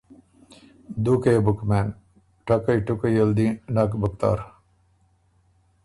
دُوکه يې بُک مېن، ټَکئ ټُکئ ال دی نک بُک تر۔